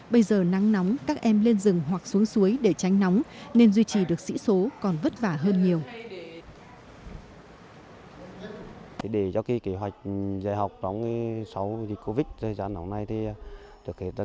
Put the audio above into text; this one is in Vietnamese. bây giờ nắng nóng các em lên rừng hoặc xuống suối để tránh nóng nên duy trì được sĩ số còn vất vả hơn nhiều